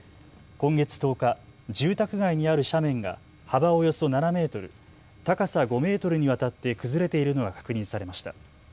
今月１０日、住宅街にある斜面が幅およそ７メートル、高さ５メートルにわたって崩れているのが確認されました。